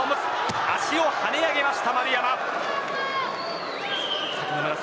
足を跳ね上げました丸山です。